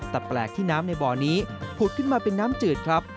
แต่แปลกที่น้ำในบ่อนี้ผุดขึ้นมาเป็นน้ำจืดครับ